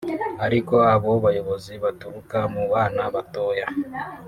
ariko abo bayobozi baturuka mu bana batoya